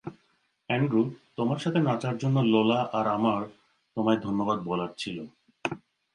Andrew, তোমার সাথে নাচার জন্য লোলা আর আমার তোমায় ধন্যবাদ বলার ছিল।